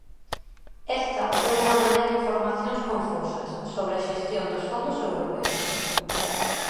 Esta foi unha mañá de informacións confusas sobre a xestión dos fondos europeos.